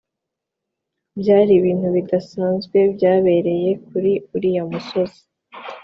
byari ibintu bidasanzwe byabereye kuri uriya musozi